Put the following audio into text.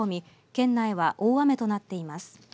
県内は大雨となっています。